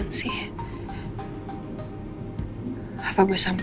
mereka bounded di sini juga